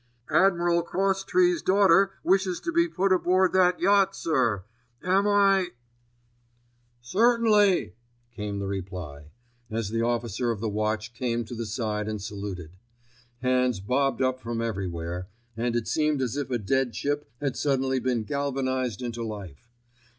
"Admiral Crosstrees' daughter wishes to be put aboard that yacht, sir. Am I——" "Certainly," came the reply, as the officer of the watch came to the side and saluted. Hands bobbed up from everywhere, and it seemed as if a dead ship had suddenly been galvanised into life.